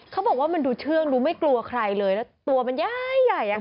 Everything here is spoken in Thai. เขาบอกว่ามันดูเชื่องดูไม่กลัวใครเลยแล้วตัวมันใหญ่